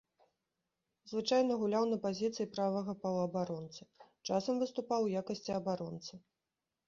Звычайна гуляў на пазіцыі правага паўабаронцы, часам выступаў у якасці абаронцы.